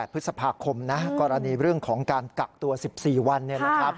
๑๘พฤษภาคมกรณีของการกักตัว๑๔วัน